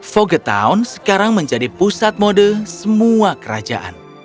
foggetown sekarang menjadi pusat mode semua kerajaan